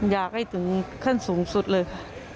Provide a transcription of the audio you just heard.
อยากให้ถึงขั้นสูงสุดเลยค่ะ